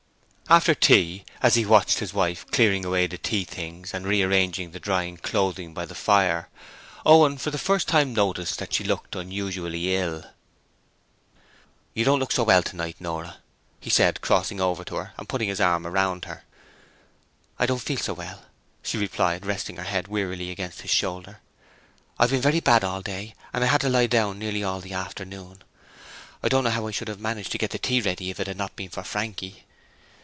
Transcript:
After tea, as he watched his wife clearing away the tea things and rearranging the drying clothing by the fire, Owen for the first time noticed that she looked unusually ill. 'You don't look well tonight, Nora,' he said, crossing over to her and putting his arm around her. 'I don't feel well,' she replied, resting her head wearily against his shoulder. 'I've been very bad all day and I had to lie down nearly all the afternoon. I don't know how I should have managed to get the tea ready if it had not been for Frankie.'